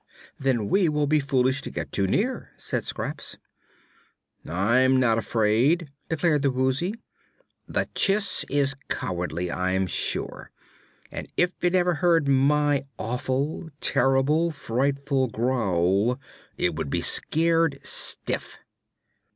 "Then we will be foolish to get too near," said Scraps. "I'm not afraid," declared the Woozy. "The Chiss is cowardly, I'm sure, and if it ever heard my awful, terrible, frightful growl, it would be scared stiff."